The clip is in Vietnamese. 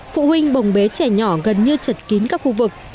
phụ huynh bồng bế trẻ nhỏ gần như chật kín các khu vực